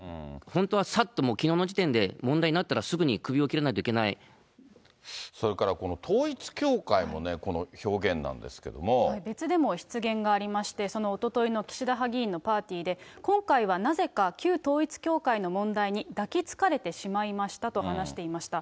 本当はさっともうきのうの時点で、問題になったらすぐに首を切らなそれからこの統一教会もね、別でも失言がありまして、おとといの岸田派議員のパーティーで、今回はなぜか、旧統一教会の問題に抱きつかれてしまいましたと話していました。